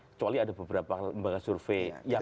kecuali ada beberapa lembaga survei yang